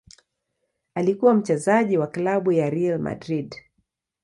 Alikuwa mchezaji wa klabu ya Real Madrid.